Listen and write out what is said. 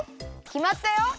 きまったよ。